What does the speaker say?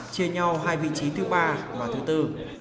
chia nhau hai vị trí thứ ba và thứ bốn